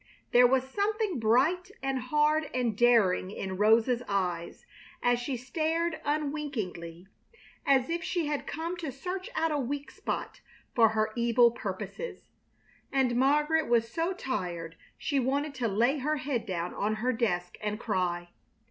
There was something bright and hard and daring in Rosa's eyes as she stared unwinkingly, as if she had come to search out a weak spot for her evil purposes, and Margaret was so tired she wanted to lay her head down on her desk and cry.